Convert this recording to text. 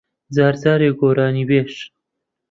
جار جارێ گۆرانیبێژ